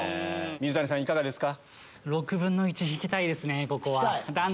都筑さんいかがですか？